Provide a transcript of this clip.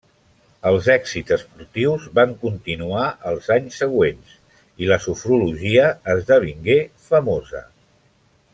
Els èxits esportius van continuar els anys següents i la sofrologia esdevingué famosa.